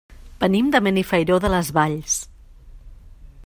Venim de Benifairó de les Valls.